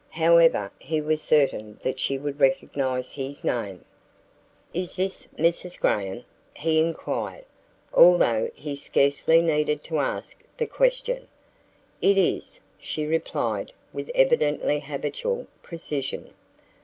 However, he was certain that she would recognize his name. "Is this Mrs. Graham?" he inquired, although he scarcely needed to ask the question. "It is," she replied with evidently habitual precision.